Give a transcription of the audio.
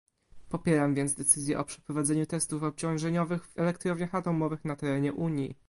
Popieram więc decyzję o przeprowadzeniu testów obciążeniowych w elektrowniach atomowych na terenie Unii